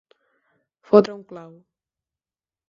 Fotre un clau.